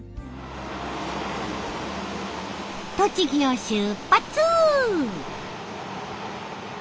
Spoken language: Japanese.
栃木を出発！